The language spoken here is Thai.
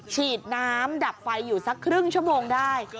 ฉีดน้ำดับไฟอยู่สักครึ่งชั่วโมงได้